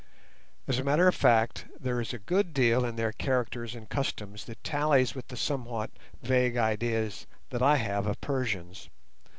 As a matter of fact, there is a good deal in their characters and customs that tallies with the somewhat vague ideas that I have of Persians.